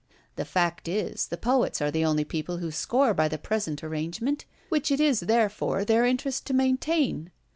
The fact is, the poets are the only people who score by the present arrangement; which it is therefore their interest to maintain.